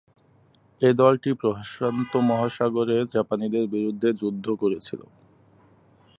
এ দলটি প্রশান্ত মহাসাগরে জাপানিদের বিরুদ্ধে যুদ্ধ করেছিল।